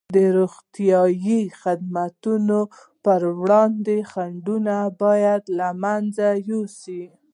د روغتیايي خدماتو پر وړاندې خنډونه باید له منځه یوسي.